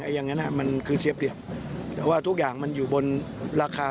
อย่างนั้นมันคือเสียเปรียบแต่ว่าทุกอย่างมันอยู่บนราคา